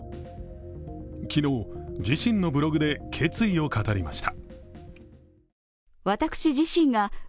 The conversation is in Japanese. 昨日、自身のブログで決意を語りました。